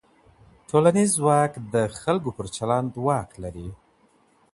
ټولنیز ځواک د خلکو پر چلند واک لري.